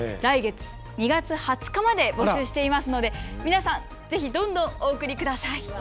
来月２月２０日まで募集していますので皆さんぜひどんどんお送り下さい。